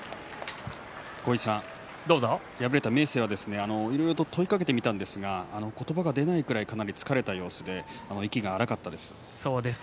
敗れた明生はいろいろと問いかけてみたんですが言葉が出ないくらい疲れた様子で息が荒かったです。